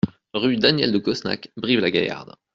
Rue Daniel de Cosnac, Brive-la-Gaillarde